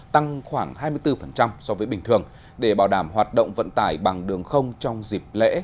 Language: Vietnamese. tăng khoảng hai mươi bốn so với bình thường để bảo đảm hoạt động vận tải bằng đường không trong dịp lễ